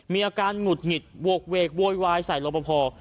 มีอาการหงุดหงิดโหกเวกโวยวายใส่รบพอ